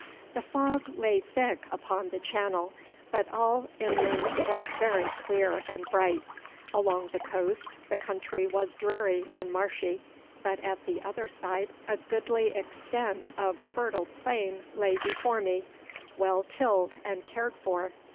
The fog lay thick upon the Channel, but all inland was very clear and bright. Along the coast the country was dreary and marshy, but at the other side a goodly extent of fertile plain lay before me, well tilled and cared for.